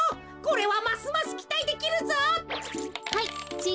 これはますますきたいできるぞ。はいちぃ